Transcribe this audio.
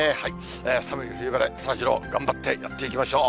寒い冬だね、そらジロー、頑張ってやっていきましょう。